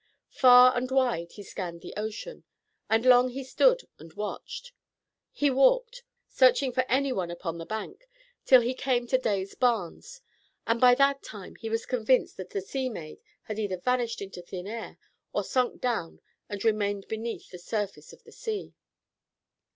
Far and wide he scanned the ocean, and long he stood and watched. He walked, searching for anyone upon the bank, till he came to Day's barns, and by that time he was convinced that the sea maid had either vanished into thin air or sunk down and remained beneath the surface of the sea.